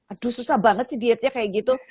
aduh susah banget sih dietnya kayak gitu